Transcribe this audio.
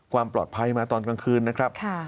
ความปลอดภัยมาตอนกลางคืนนะครับ